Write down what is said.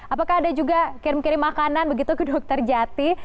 apakah ada juga kirim kirim makanan begitu ke dokter jati